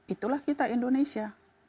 itulah kita indonesia